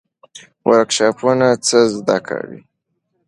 ورکشاپونه څه زده کوي؟